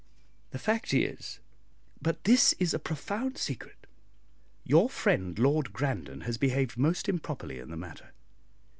The fact is, but this is a profound secret, your friend Lord Grandon has behaved most improperly in the matter.